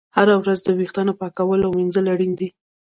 هره ورځ د ویښتانو پاکول او ږمنځول اړین دي.